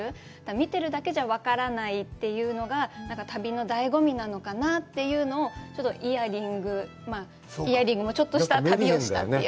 見てるだけじゃ分からないというのが旅のだいご味なのかなというのをちょっとイヤリング、イヤリングもちょっとした旅をしたという。